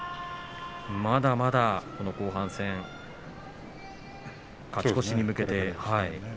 まだまだ、後半戦勝ち越しに向けて。